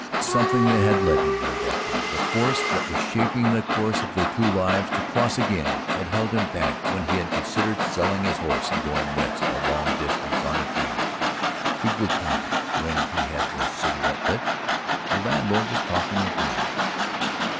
Something had led him there that day; the force that was shaping the course of their two lives to cross again had held him back when he had considered selling his horse and going West a long distance on the train. He grew calmer when he had his cigarette alight. The landlord was talking again.